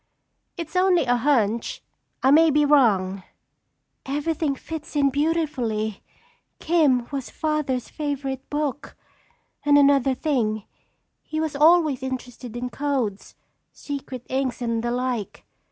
"It's only a hunch. I may be wrong." "Everything fits in beautifully. 'Kim' was Father's favorite book. And another thing, he was always interested in codes, secret inks and the like.